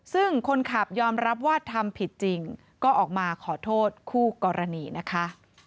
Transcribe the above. ซึ่งคนขับยอมรับว่าทำผิดจริงก็ออกมาขอโทษคู่กรณีนะคะ